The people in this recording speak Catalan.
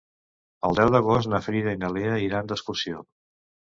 El deu d'agost na Frida i na Lea iran d'excursió.